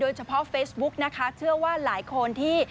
เฉพาะเฟซบุ๊กนะคะเชื่อว่าหลายคนที่